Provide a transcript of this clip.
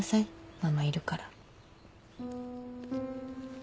ママいるから。